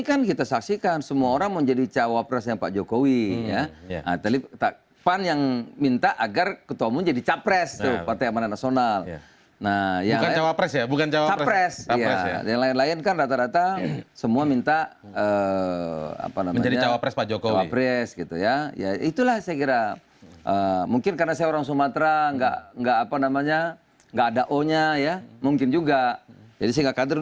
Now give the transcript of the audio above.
oleh karena itu kita tidak berpikir sama sekali